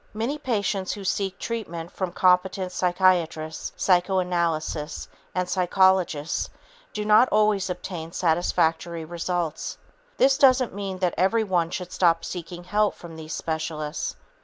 Many patients who seek treatment from competent psychiatrists, psychoanalysts and psychologists do not always obtain satisfactory results. This doesn't mean that everyone should stop seeking help from these specialists.